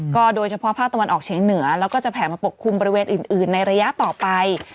โดยเฉพาะภาคตะวันออกเฉียงเหนือแล้วก็จะแผลมาปกคลุมบริเวณอื่นในระยะต่อไป